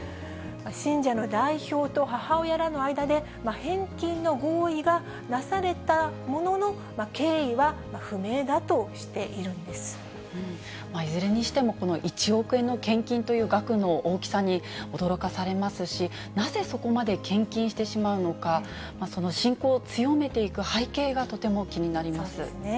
信者の代表と母親らの間で、返金の合意がなされたものの、いずれにしても、この１億円という献金という額の大きさに驚かされますし、なぜそこまで献金してしまうのか、その信仰を強めていく背景がとてそうですね。